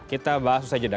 kita bahas itu saja dah